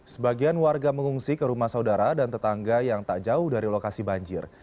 sebagian warga mengungsi ke rumah saudara dan tetangga yang tak jauh dari lokasi banjir